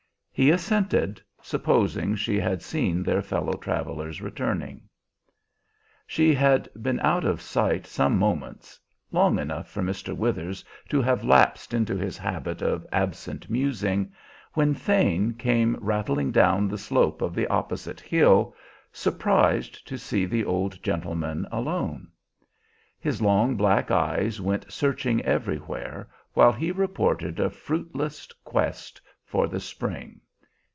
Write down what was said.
He assented, supposing she had seen their fellow travelers returning. She had been out of sight some moments, long enough for Mr. Withers to have lapsed into his habit of absent musing, when Thane came rattling down the slope of the opposite hill, surprised to see the old gentleman alone. His long, black eyes went searching everywhere while he reported a fruitless quest for the spring.